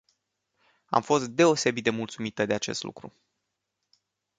Am fost deosebit de mulțumită de acest lucru.